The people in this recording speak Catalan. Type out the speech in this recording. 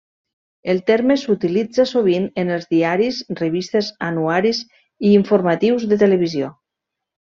El terme s'utilitza sovint en els diaris, revistes, anuaris i informatius de televisió.